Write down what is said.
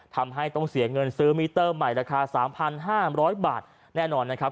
ทำให้ต้องเสียเงินซื้อมิเตอร์ใหม่ราคา๓๕๐๐บาทแน่นอนนะครับ